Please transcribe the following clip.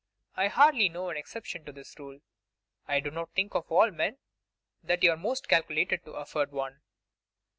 I hardly know an exception to this rule. I do not think, of all men, that you are most calculated to afford one.